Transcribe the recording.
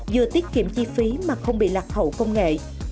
vừa tiết kiệm chi phí mà không bị lạc hậu công nghệ